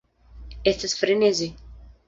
Estas freneze.